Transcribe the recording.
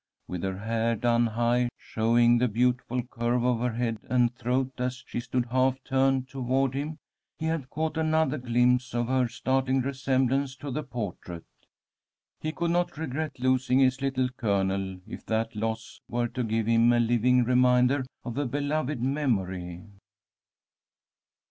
With her hair done high, showing the beautiful curve of her head and throat as she stood half turned toward him, he had caught another glimpse of her startling resemblance to the portrait. He could not regret losing his Little Colonel if that loss were to give him a living reminder of a beloved memory.